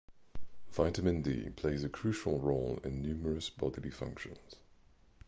Vitamin D plays a crucial role in numerous bodily functions.